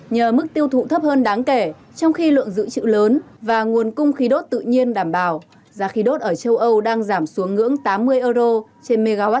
nhờ mức tiêu thụ thấp hơn đáng kể trong khi lượng dự trữ lớn và nguồn cung khí đốt tự nhiên đảm bảo giá khí đốt ở châu âu đang giảm xuống ngưỡng tám mươi euro trên mw